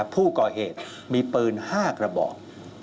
ผู้ก่อเหตุมีปืน๕กระบอก